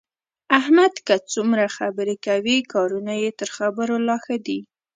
احمد که څومره خبرې کوي، کارونه یې تر خبرو لا ښه دي.